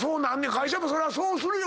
会社もそらそうするよ。